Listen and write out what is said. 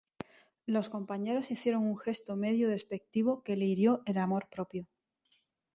Los compañeros hicieron un gesto medio despectivo que le hirió el amor propio.